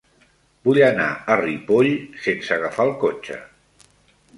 Vull anar a Ripoll sense agafar el cotxe.